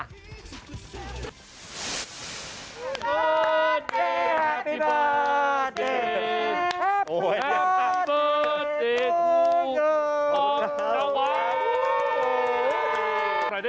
เกคอันนี้ก็น่าจะ